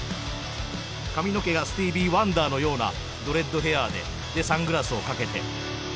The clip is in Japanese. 髪の毛がスティービー・ワンダーのようなドレッドヘアででサングラスをかけて。